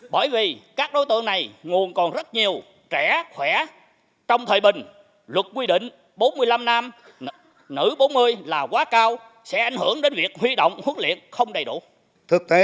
bởi vì các đối tượng này nguồn còn rất nhiều trẻ khỏe trong thời bình luật quy định bốn mươi năm nam nữ bốn mươi là quá cao sẽ ảnh hưởng đến việc huy động huấn luyện không đầy đủ